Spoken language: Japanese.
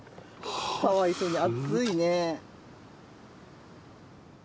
かわいそうに暑いね。